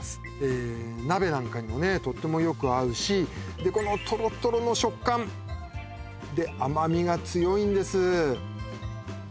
えっ鍋なんかにもとってもよく合うしでこのトロトロの食感で甘みが強いんです